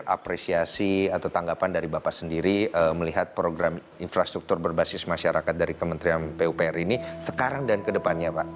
apresiasi atau tanggapan dari bapak sendiri melihat program infrastruktur berbasis masyarakat dari kementerian pupr ini sekarang dan kedepannya pak